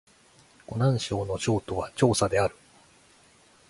湖南省の省都は長沙である